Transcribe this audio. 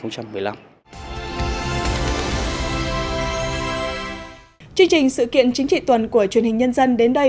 chương trình sự kiện chính trị tuần của truyền hình nhân dân đến đây